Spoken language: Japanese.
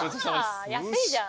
安いじゃん。